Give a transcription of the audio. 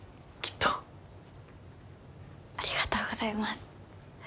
ありがとうございます。